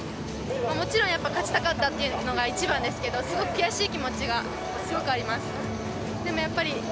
もちろんやっぱり勝ちたかったというのが一番ですけど、すごく悔しい気持ちがすごくあります。